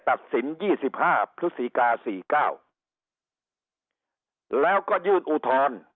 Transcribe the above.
ตัดสิน๒๕พฤศจิกา๔๙แล้วก็ยื่นอุทธรณ์